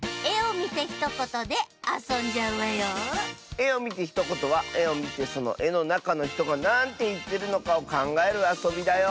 「えをみてひとこと」はえをみてそのえのなかのひとがなんていってるのかをかんがえるあそびだよ。